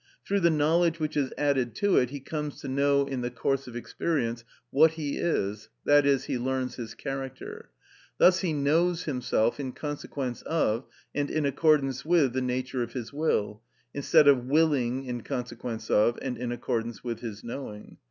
Through the knowledge which is added to it he comes to know in the course of experience what he is, i.e., he learns his character. Thus he knows himself in consequence of and in accordance with the nature of his will, instead of willing in consequence of and in accordance with his knowing.